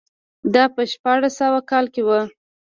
دا په شپاړس سوه کال کې و.